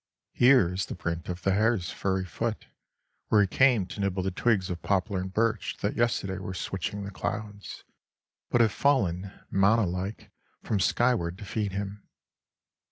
Here is the print of the hare's furry foot where he came to nibble the twigs of poplar and birch that yesterday were switching the clouds, but have fallen, manna like, from skyward to feed him.